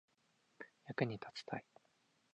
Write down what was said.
役に立ちたい